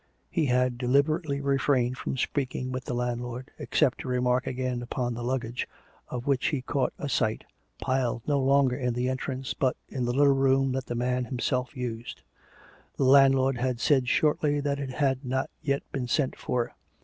He had deliberately refrained from speak ing with the landlord, except to remark again upon the 284 COME RACK! COME ROPE! luggage of which he caught a sight, piled no longer in the entrance, but in the little room that the man himself used. The landlord had said shortly that it had not yet been sent for.